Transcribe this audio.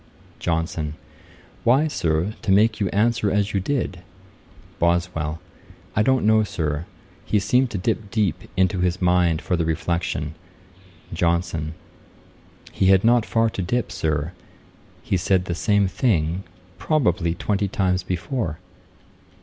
JOHNSON. 'Why, Sir, to make you answer as you did.' BOSWELL. 'I don't know, Sir; he seemed to dip deep into his mind for the reflection.' JOHNSON. 'He had not far to dip, Sir: he said the same thing, probably, twenty times before.'